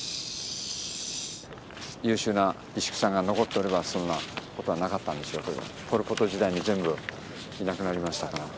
優秀な石工さんが残っておればそんなことはなかったんでしょうけどポル・ポト時代に全部いなくなりましたから。